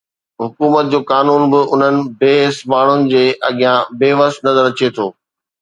حڪومت جو قانون به انهن بي حس ماڻهن جي اڳيان بي وس نظر اچي ٿو